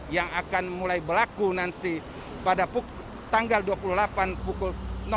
yang akan mulai berlaku nanti pada tanggal dua puluh delapan pukul